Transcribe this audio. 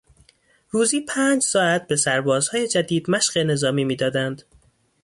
روزی پنج ساعت به سربازهای جدید مشق نظامی میدادند.